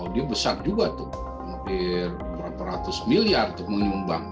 dia besar juga tuh hampir berapa ratus miliar tuh menyumbang